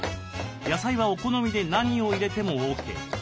野菜はお好みで何を入れてもＯＫ。